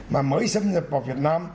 mà mới xâm nhập vào việt nam